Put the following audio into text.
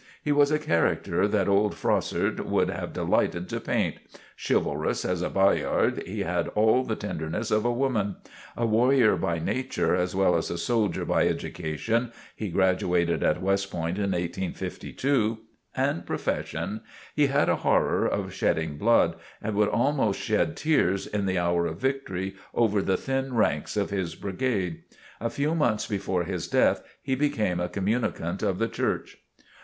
He was a character that old Froissart would have delighted to paint. Chivalrous as a Bayard, he had all the tenderness of a woman. A warrior by nature as well as a soldier by education, (he graduated at West Point in 1852,) and profession, he had a horror of shedding blood and would almost shed tears in the hour of victory over the thin ranks of his brigade. A few months before his death he became a communicant of the Church.